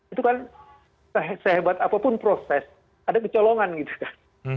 itu kan sehebat apapun proses ada kecolongan gitu kan